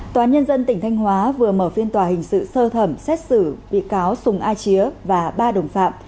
tòa nhân dân tỉnh thanh hóa vừa mở phiên tòa hình sự sơ thẩm xét xử bị cáo sùng a chía và ba đồng phạm